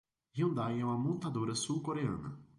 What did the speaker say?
Hyundai é uma montadora sul-coreana.